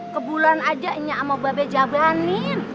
ke bulan aja nya sama bapak jalanin